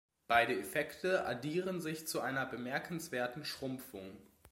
Beide Effekte addieren sich zu einer bemerkenswerten Schrumpfung.